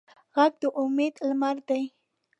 غږ د امید لمر دی